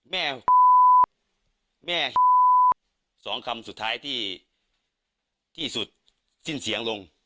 แม่แม่สองคำสุดท้ายที่สุดสิ้นเสียงลง